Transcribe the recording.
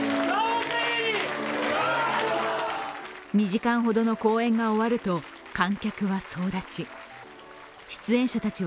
２時間ほどの公演が終わると観客は総立ち。